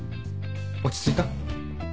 落ち着いた？